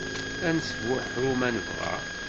Ad nesbuḥru ma nebɣa.